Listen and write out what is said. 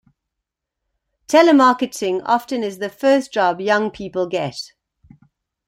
Telemarketing often is the first job young people get.